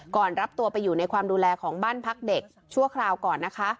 รับตัวไปอยู่ในความดูแลของบ้านพักเด็กชั่วคราวก่อนนะคะ